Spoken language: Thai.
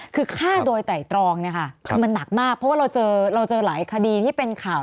คือฆ่าโดยไตรตรองเนี่ยค่ะคือมันหนักมากเพราะว่าเราเจอหลายคดีที่เป็นข่าว